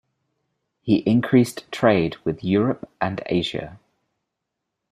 He increased trade with Europe and Asia.